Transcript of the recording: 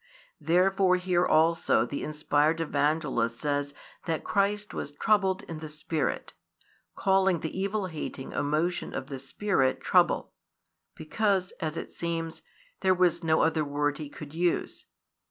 Therefore here also the inspired Evangelist says that Christ was troubled in the spirit, calling the evil hating emotion of the Spirit "trouble," because, as it seems, there was no other word he could use.